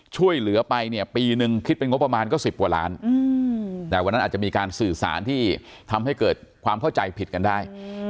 ช่วยเหลือไปเนี่ยปีนึงคิดเป็นงบประมาณก็๑๐กว่าล้านแต่วันนั้นอาจจะมีการสื่อสารที่ทำให้เกิดความเข้าใจผิดกันได้